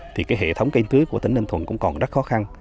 thì hệ thống canh tưới của tỉnh ninh thuận cũng còn rất khó khăn